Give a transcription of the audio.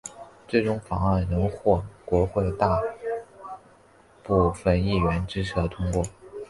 最终法案仍获国会大部份议员支持而通过。